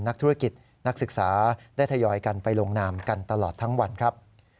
นักธุรกิจนักศึกษาได้ทยอยกันไปลงนามกันตลอดทั้งวันครับ